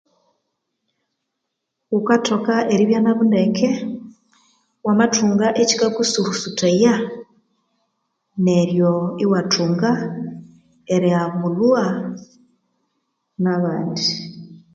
Ghukathoka eribya nabo ndeke, wamathunga ekikakusulhusuthaya neryo iwathunga erihabulhwa na'bandi